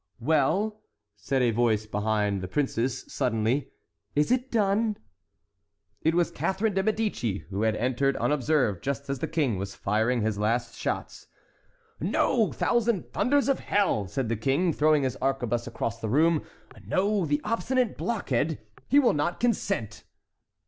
"Well," said a voice behind the princes, suddenly, "is it done?" It was Catharine de Médicis, who had entered unobserved just as the King was firing his last shot. "No, thousand thunders of hell!" said the King, throwing his arquebuse across the room. "No, the obstinate blockhead—he will not consent!"